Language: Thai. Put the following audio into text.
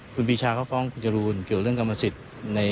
คุณปีชาเขาฟ้องคุณจรูนเกี่ยวเรื่องกรรมสิทธิ์